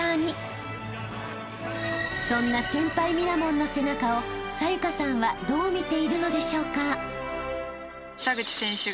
［そんな先輩ミラモンの背中を紗優加さんはどう見ているのでしょうか？］